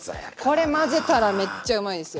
これ混ぜたらめっちゃうまいですよ。